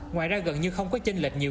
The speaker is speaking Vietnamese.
ngoài ra gần như không có chênh lệch nhiều